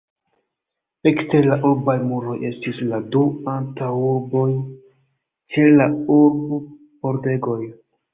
Ekster la urbaj muroj estis la du antaŭurboj ĉe la urb-pordegoj.